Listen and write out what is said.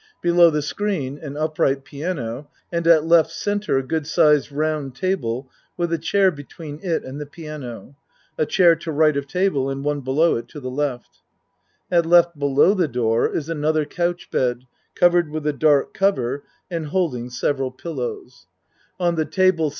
Below the screen an upright piano, and at L. C. a good sized round table with a chair between it and the piano. A chair to R. of table, and one below it to the L. At L. below the door is another couch bed, cov ered with a dark cover, and holding several pillows. 47 48 A MAN'S WORLD On the table C.